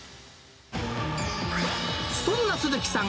そんな鈴木さん